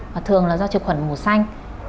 và thường là do trực khuẩn mùa xanh